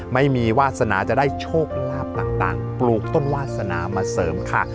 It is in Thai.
ไม่มีวาสนาจะได้โชคลาภต่างปลูกต้นวาสนามาเสริมค่ะ